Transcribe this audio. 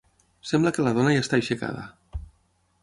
Sembla que la dona ja està aixecada.